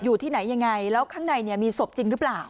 อยู่ที่ไหนยังไงแล้วข้างในเนี่ยมีศพจริงหรือเปล่า